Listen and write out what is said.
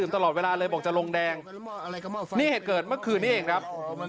ตลอดเวลาเลยบอกจะลงแดงนี่เหตุเกิดเมื่อคืนนี้เองครับ